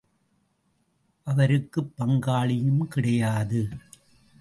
அவருக்குப் பங்காளியும் கிடையாது.